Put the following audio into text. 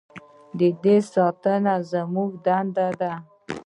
د دې ساتنه زموږ دنده ده